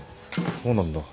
そうなんだ。